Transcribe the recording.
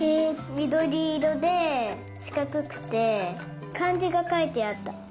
みどりいろでしかくくてかんじがかいてあった。